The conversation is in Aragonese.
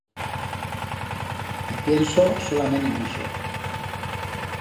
I pienso solament en ixo.